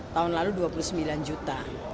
tahun lalu dua puluh sembilan juta